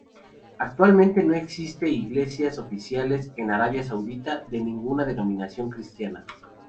Actualmente no existe iglesias oficiales en Arabia Saudita de ninguna denominación cristiana.